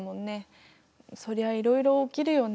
そりゃいろいろ起きるよね。